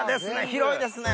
広いですね！